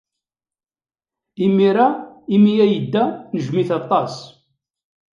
Imir-a imi ay yedda, nejjem-it aṭas.